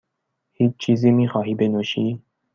هیچ چیزی میخواهی بنوشی؟